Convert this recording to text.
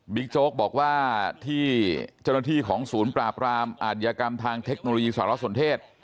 โจ๊กบอกว่าที่เจ้าหน้าที่ของศูนย์ปราบรามอาธิกรรมทางเทคโนโลยีสารสนเทศ